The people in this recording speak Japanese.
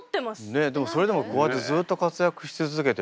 ねっそれでもこうやってずっと活躍し続けてるから。